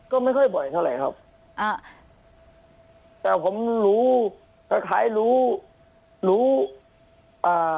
ก็ไม่ค่อยบ่อยเท่าไหร่ครับอ่าแต่ผมรู้คล้ายคล้ายรู้รู้อ่า